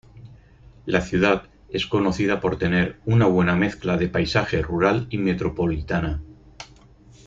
La ciudad es conocida por tener una buena mezcla de paisaje rural y metropolitana.